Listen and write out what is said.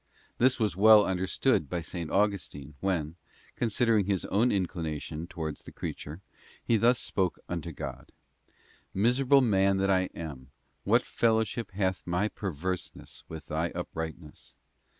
This was well understood by S. Augustine when, considering his own inclination towards the creature, he thus spoke unto God: 'Miserable man that I am, what fellowship hath my perverseness with Thy uprightness?